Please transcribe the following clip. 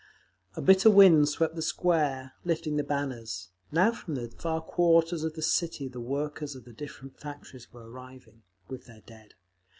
A bitter wind swept the Square, lifting the banners. Now from the far quarters of the city the workers of the different factories were arriving, with their dead.